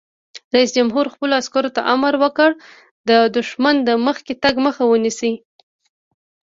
رئیس جمهور خپلو عسکرو ته امر وکړ؛ د دښمن د مخکې تګ مخه ونیسئ!